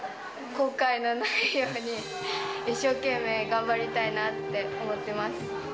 後悔のないように、一生懸命頑張りたいなって思ってます。